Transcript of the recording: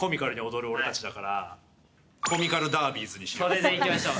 それでいきましょう。